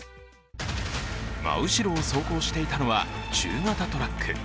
真後ろを走行していたのは中型トラック。